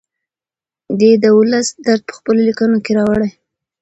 دی د ولس درد په خپلو لیکنو کې راوړي.